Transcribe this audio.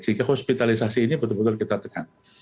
si kehospitalisasi ini betul betul kita tekan